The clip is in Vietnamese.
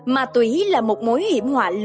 ma túy là một mối hiểm họa